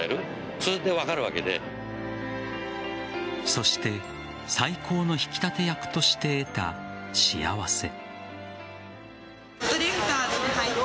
そして最高の引き立て役として得た幸せ。